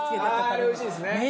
あれおいしいですね。